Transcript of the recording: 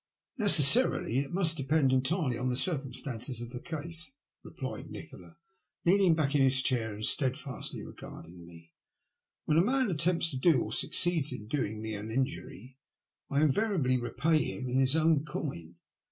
Necessarily it must depend entirely on the circum stances of the case," replied Nikola, leaning back in his chair and stedfastly regarding me. ''When a man attempts to do, or succeeds in doing, me an injury, I invariably repay him in his own coin.